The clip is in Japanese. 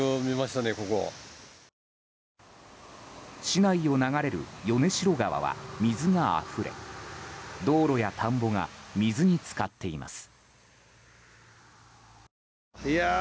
市内を流れる米代川は水があふれ道路や田んぼが水に浸かっています。